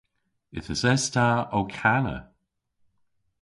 Yth eses ta ow kana.